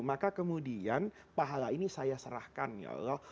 karena kemudian pahala ini saya serahkan ya allah